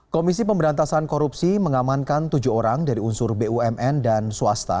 komisi pemberantasan korupsi mengamankan tujuh orang dari unsur bumn dan swasta